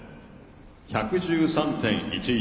１１３．１１。